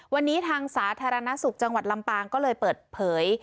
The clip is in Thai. วันนี้ทางสาธารณสุขจังหวัดลำปางก็เลยเปิดเผย